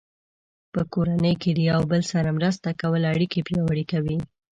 په کورنۍ کې د یو بل سره مرسته کول اړیکې پیاوړې کوي.